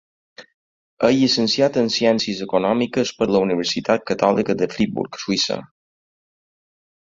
És llicenciat en Ciències Econòmiques per la Universitat Catòlica de Friburg, Suïssa.